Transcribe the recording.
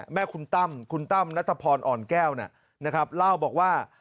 แม่คุณตั้มคุณตั้มณอ่อนแก้วนะครับเล่าบอกว่า